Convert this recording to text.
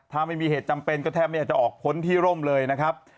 ถ้าไม่มีเหตุจำเป็นก็แทบไม่อยากจะออกพ้นที่ร่มเลยนะครับ